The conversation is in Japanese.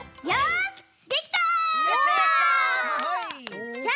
よし。